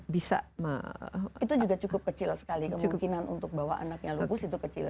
bisa itu juga cukup kecil sekali kemungkinan untuk bawa anaknya lupus itu kecil